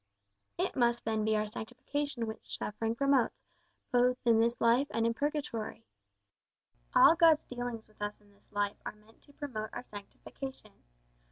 "It must then be our sanctification which suffering promotes, both in this life and in purgatory." "All God's dealings with us in this life are meant to promote our sanctification.